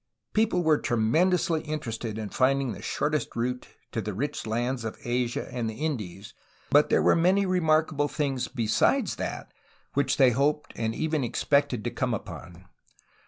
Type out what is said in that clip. People were tremendously interested in finding the short est route to the rich lands of Asia and the Indies, but there were many remarkable things besides that which they hoped and even expected to come upon.